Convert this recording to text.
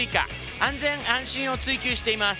安全安心を追求しています。